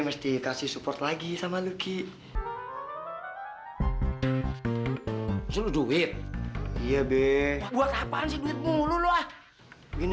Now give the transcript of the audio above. mesti kasih support lagi sama lucky selalu duit iya be buat apaan sih ngomong luah gini